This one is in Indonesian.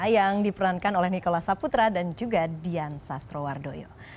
yang diperankan oleh nikola saputra dan juga dian sastrowardoyo